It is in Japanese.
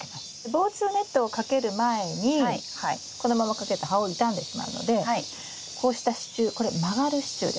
防虫ネットをかける前にこのままかけると葉を傷んでしまうのでこうした支柱これ曲がる支柱です。